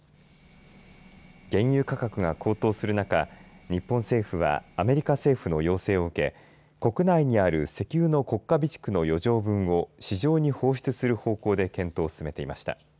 原油価格が高騰する中日本政府はアメリカ政府の要請を受け国内にある石油の国家備蓄の余剰分を市場に放出する方向で検討を進めていました。